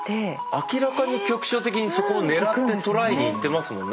明らかに局所的にそこを狙ってとらえにいってますもんね。